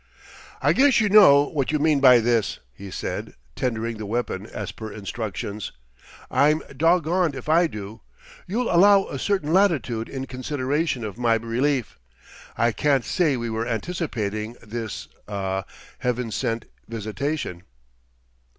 "I guess you know what you mean by this," he said, tendering the weapon as per instructions; "I'm doggoned if I do.... You'll allow a certain latitude in consideration of my relief; I can't say we were anticipating this ah Heaven sent visitation."